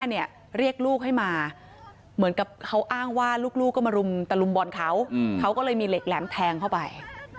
เนี่ยเรียกลูกให้มาเหมือนกับเขาอ้างว่าลูกก็มารุมตะลุมบอลเขาเขาก็เลยมีเหล็กแหลมแทงเข้าไป